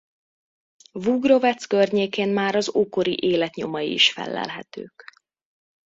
Vugrovec környékén már az ókori élet nyomai is fellelhetők.